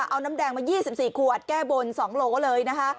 เอาน้ำแดงมา๒๔ขวดแก้บน๒โหลเลยนะคะ